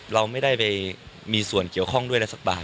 เราไม่ได้ไปมีส่วนเกี่ยวข้องด้วยอะไรสักบาท